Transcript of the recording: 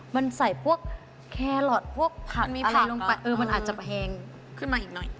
มันใส่พวกแครอทพวกผักมีไผ่ลงไปเออมันอาจจะแพงขึ้นมาอีกหน่อย